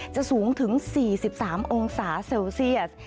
สูงถึง๔๓องศาเซลเซียส